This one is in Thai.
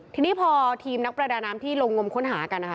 ทีนี้พอทีมนักประดาน้ำที่ลงงมค้นหากันนะคะ